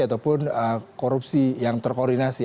ataupun korupsi yang terkoordinasi